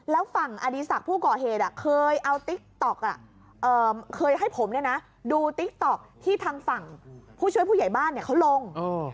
แล้วฝั่งอดีศักดิ์ผู้ก่อเหตุเคยเอาติ๊กต๊อกเคยให้ผมดูติ๊กต๊อกที่ทางฝั่งผู้ช่วยผู้ใหญ่บ้านเขาลง